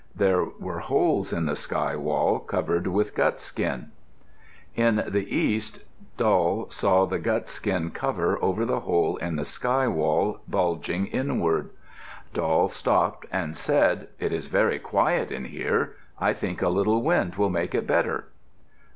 There were holes in the sky wall covered with gut skin. In the east, Doll saw the gut skin cover over the hole in the sky wall bulging inward. Doll stopped and said, "It is very quiet in here. I think a little wind will make it better."